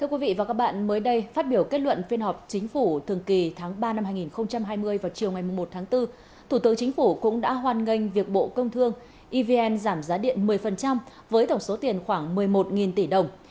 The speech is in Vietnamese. thưa quý vị và các bạn mới đây phát biểu kết luận phiên họp chính phủ thường kỳ tháng ba năm hai nghìn hai mươi vào chiều ngày một tháng bốn thủ tướng chính phủ cũng đã hoan nghênh việc bộ công thương evn giảm giá điện một mươi với tổng số tiền khoảng một mươi một tỷ đồng